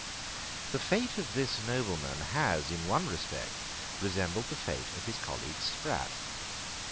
The fate of this nobleman has, in one respect, resembled the fate of his colleague Sprat.